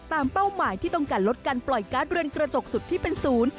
เป้าหมายที่ต้องการลดการปล่อยการ์ดเรือนกระจกสุดที่เป็นศูนย์